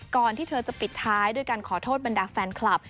ที่เธอจะปิดท้ายด้วยการขอโทษบรรดาแฟนคลับ